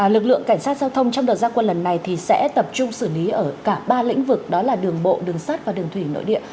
lực lượng cảnh sát giao thông trong đợt gia quân lần này sẽ tập trung xử lý ở cả ba lĩnh vực đó là đường bộ đường sắt và đường thủy nội địa